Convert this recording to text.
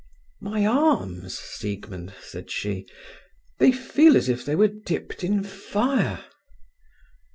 "My arms, Siegmund," said she. "They feel as if they were dipped in fire."